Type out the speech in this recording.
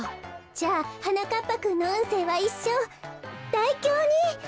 じゃあはなかっぱくんのうんせいはいっしょう大凶に。